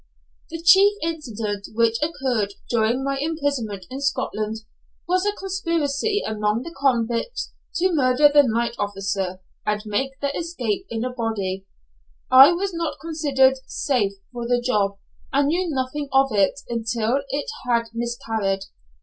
The chief incident which occurred during my imprisonment in Scotland, was a conspiracy among the convicts to murder the night officer and make their escape in a body. I was not considered "safe" for the job, and knew nothing of it until it had miscarried.